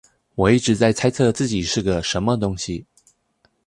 我一直在猜測自己是個什麼東西